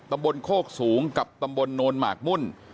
ตำบลโคกสูงกับตำบลโนนหมากมุ่น